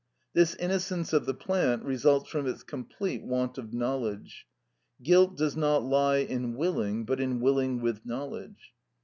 This innocence of the plant results from its complete want of knowledge. Guilt does not lie in willing, but in willing with knowledge.